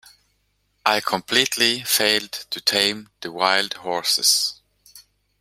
I completely failed to tame the wild horses.